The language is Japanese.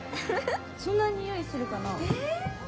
そんな匂いするかな？